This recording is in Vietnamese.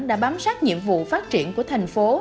đã bám sát nhiệm vụ phát triển của thành phố